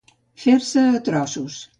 Fer-se a trossos.